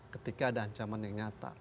ketika ada ancaman yang nyata